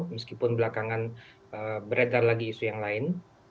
meskipun belakangan beredar lagi isu yang lain